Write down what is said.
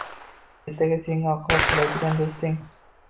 Ertaga senga oqibat qiladigan doʻsting!